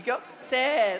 せの。